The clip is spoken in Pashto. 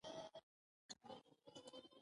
پوه شوم چې لویه لار ويجاړه ده.